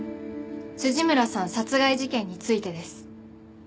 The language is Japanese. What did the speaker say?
村さん殺害事件についてです。